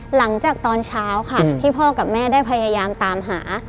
หลังจากตอนเช้าค่ะที่พ่อกับแม่ได้พยายามตามหา